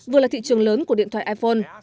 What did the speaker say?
vừa là thị trường lớn của điện thoại iphone